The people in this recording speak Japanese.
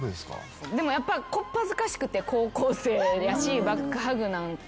でも小っ恥ずかしくて高校生やしバックハグなんて。